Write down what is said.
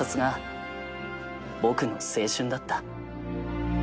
僕の青春だった。